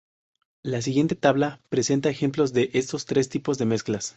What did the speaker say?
La siguiente tabla presenta ejemplos de estos tres tipos de mezclas.